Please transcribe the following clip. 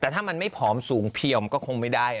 แต่ถ้ามันไม่ผอมสูงเพียมก็คงไม่ได้